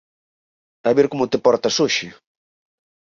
A ver como te portas hoxe..."